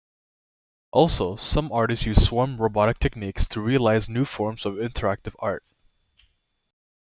Also some artists use swarm robotic techniques to realize new forms of interactive art.